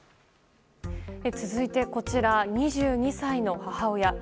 続いて、こちら２２歳の母親。